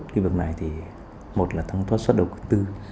thứ nhất là thắng thoát xuất đầu tư